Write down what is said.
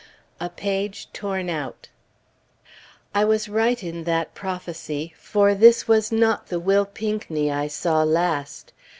[A page torn out] I was right in that prophecy. For this was not the Will Pinckney I saw last.